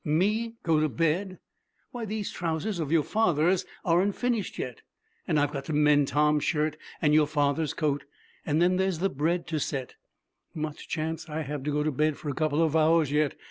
'Me go to bed! Why these trousers of yours aren't finished yet and I've got to mend Tom's shirt and your father's coat, and then there's the bread to set. Much chance I have to go to bed for a couple of hours, yet!